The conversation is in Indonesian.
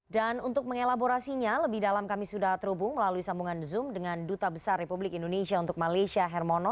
dan untuk mengelaborasinya lebih dalam kami sudah terhubung melalui sambungan zoom dengan duta besar republik indonesia untuk malaysia hermono